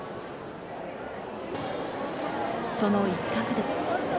その一角で。